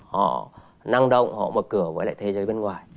họ năng động họ mở cửa với lại thế giới bên ngoài